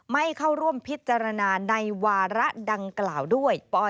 ไม่เข้าร่วมพิจารณาในวาระดังกล่าวด้วย